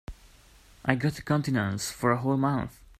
I got a continuance for a whole month.